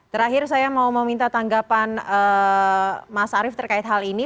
terakhir saya mau meminta tanggapan mas arief terkait hal ini